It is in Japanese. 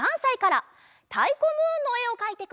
「たいこムーン」のえをかいてくれました。